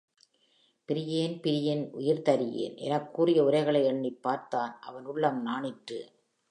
பிரியேன் பிரியின் உயிர்தரியேன்! எனக் கூறிய உரைகளை எண்ணிப் பார்த்தான் அவன் உள்ளம் நாணிற்று.